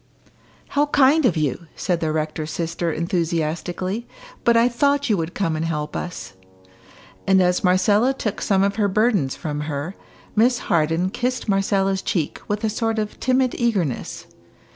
"How kind of you!" said the rector's sister, enthusiastically; "but I thought you would come and help us." And as Marcella took some of her burdens from her, Miss Harden kissed Marcella's cheek with a sort of timid eagerness.